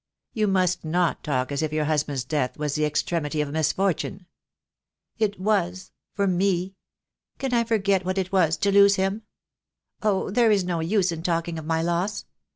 You must not talk as if your husband's death was the extremity of misfortune." "It was — for me. Can I forget what it was to lose him? Oh, there is no use in talking of my loss.